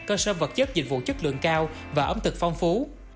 cơ sở vật chất dịch vụ chất lượng cao và ấm thực phong phú